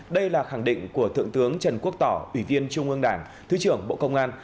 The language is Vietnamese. đây là khẳng định của thượng tướng trần quốc tỏ ủy viên trung ương đảng thứ trưởng bộ công an